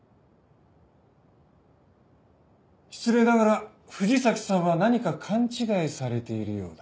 失礼ながら藤崎さんは何か勘違いされているようだ。